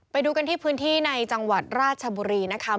ไปดูกันที่พื้นที่ในจังหวัดราชบุรีนะคะ